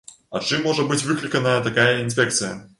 А чым можа быць выкліканая такая інспекцыя?